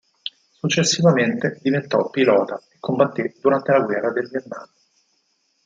Successivamente diventò pilota e combatté durante la guerra del Vietnam.